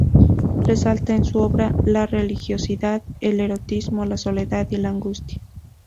Resalta en su obra la religiosidad, el erotismo, la soledad y la angustia.